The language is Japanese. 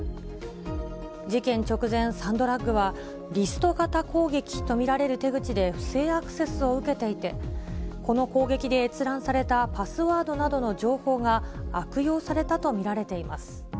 事件直前、サンドラッグは、リスト型攻撃と見られる手口で不正アクセスを受けていて、この攻撃で閲覧されたパスワードなどの情報が、悪用されたと見られています。